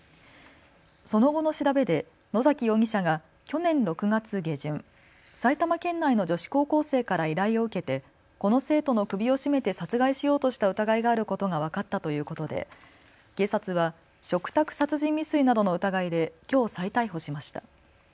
その後の調べで野崎容疑者が去年６月下旬、埼玉県内の女子高校生から依頼を受けてこの生徒の首を絞めて殺害しようとした疑いがあることが分かったということで警察は嘱託殺人未遂などの疑いできょう再逮捕しました。